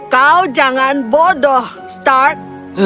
kau jangan bodoh stark